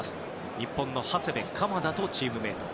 日本の長谷部、鎌田とチームメート。